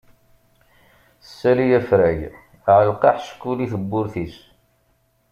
Ssali afrag, ɛelleq aḥeckul i tebburt-is.